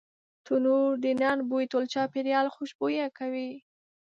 تنور د نان بوی ټول چاپېریال خوشبویه کوي